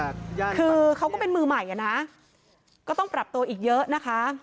คือเขาก็เป็นมือใหม่อ่ะนะก็ต้องปรับตัวอีกเยอะนะคะ